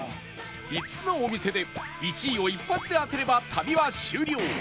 ５つのお店で１位を一発で当てれば旅は終了